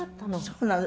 そうなの。